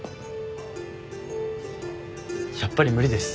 やっぱり無理です。